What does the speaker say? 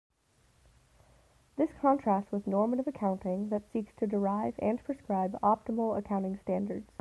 This contrasts with normative accounting, that seeks to derive and prescribe "optimal" accounting standards.